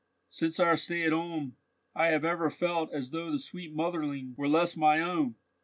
"Since our stay at Ulm, I have ever felt as though the sweet motherling were less my own!